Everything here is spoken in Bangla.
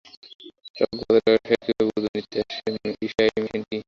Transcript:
চকবাজারের ব্যবসায়ীরা কীভাবে বুঝবেন ইসিআর মেশিন কী।